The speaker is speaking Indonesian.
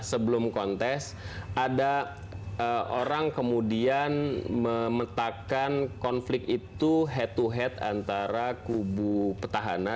sebelum kontes ada orang kemudian memetakan konflik itu head to head antara kubu petahana